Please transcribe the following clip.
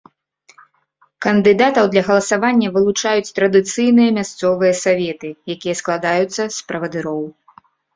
Кандыдатаў для галасавання вылучаюць традыцыйныя мясцовыя саветы, якія складаюцца з правадыроў.